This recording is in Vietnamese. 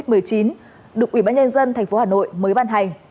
được ủy ban nhân dân thành phố hà nội mới ban hành